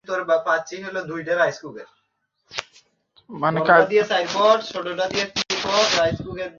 জানিস তো আমি দূরে ভালো দেখিনা, তাই বার বার তাকিয়েও নিশ্চিত হতে পারিনি।